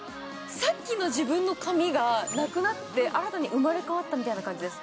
さっきの自分の髪がなくなって新たに生まれ変わったみたいな感じです